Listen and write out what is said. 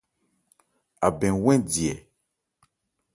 Abɛn 'wɛn di ɛ ?